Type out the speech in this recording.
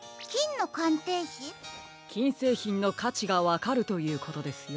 きんせいひんのかちがわかるということですよ。